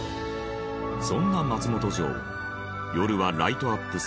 そんな松本城夜はライトアップされ。